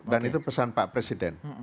dan itu pesan pak presiden